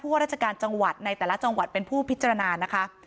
ว่าราชการจังหวัดในแต่ละจังหวัดเป็นผู้พิจารณานะคะ